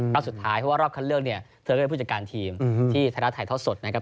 รอบสุดท้ายเพราะว่ารอบขั้นเรื่องเนี่ยเธอก็ได้ผู้จัดการทีมที่ธนไทยท่อสดนะครับ